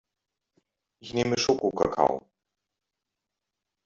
Ich nehme Schokokakao.